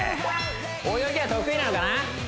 泳ぎは得意なのかな？